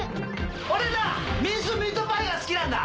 俺なミンスミートパイが好きなんだ。